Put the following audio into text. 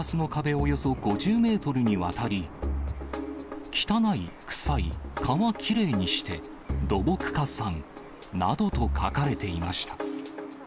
およそ５０メートルにわたり、汚いクサイ河キレイにして土木課さんなどと書かれていました。